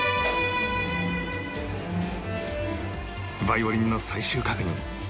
ヴァイオリンの最終確認